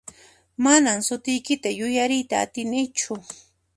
Manan sutiykita yuyariyta atinichu.